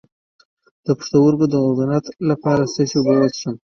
د پښتورګو د عفونت لپاره د څه شي اوبه وڅښم؟